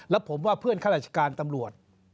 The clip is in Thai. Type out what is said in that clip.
แล้วผมว่าเพื่อนข้าราชการตำรวจ